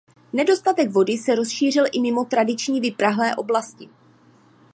Nedostatek vody se rozšířil i mimo tradiční vyprahlé oblasti.